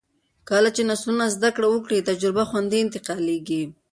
کله چې نسلونه زده کړه وکړي، تجربه خوندي انتقالېږي.